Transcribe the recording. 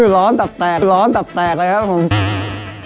ร้อนตับแตกร้อนตับแตกเลยครับผมอ่า